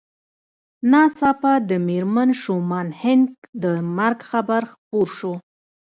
ناڅاپه د مېرمن شومان هينک د مرګ خبر خپور شو